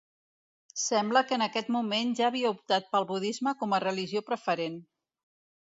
Sembla que en aquest moment ja havia optat pel budisme com a religió preferent.